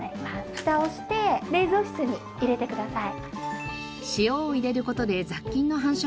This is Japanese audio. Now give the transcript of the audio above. ふたをして冷蔵室に入れてください。